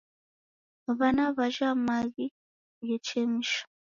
W'ana w'ajha maghi ghechemsha